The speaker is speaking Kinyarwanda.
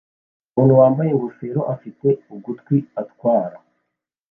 Umuntu wambaye ingofero afite ugutwi atwara